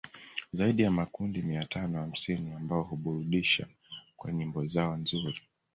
Zaidi ya makundi mia tano hamsini ambao huburudisha kwa nyimbo zao nzuri